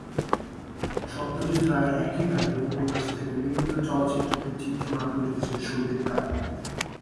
সত্যজিৎ রায়ের একই নামের উপন্যাস থেকে নির্মিত চলচ্চিত্রটির চিত্রনাট্য লিখেছেন সন্দীপ রায়।